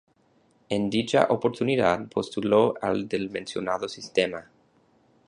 En dicha oportunidad postuló al del mencionado sistema.